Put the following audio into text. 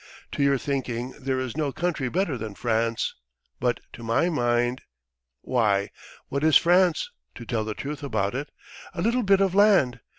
To your thinking there is no country better than France, but to my mind. .. Why, what is France, to tell the truth about it? A little bit of land.